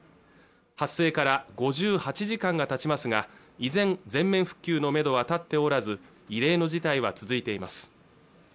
発生から５８時間がたちますが依然全面復旧のめどは立っておらず異例の事態は続いています